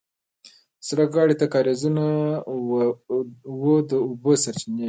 د سړک غاړې ته کارېزونه وو د اوبو سرچینې.